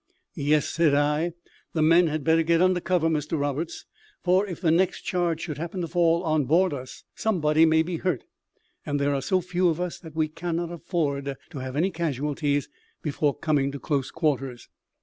"Yes," said I; "the men had better get under cover, Mr Roberts, for, if the next charge should happen to fall on board us, somebody may be hurt, and there are so few of us that we cannot afford to have any casualties before coming to close quarters.